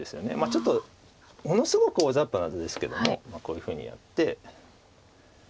ちょっとものすごく大ざっぱな手ですけどもこういうふうにやって。